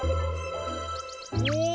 お！